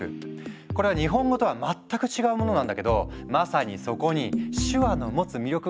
これは日本語とは全く違うものなんだけどまさにそこに手話の持つ魅力が隠されているんだ。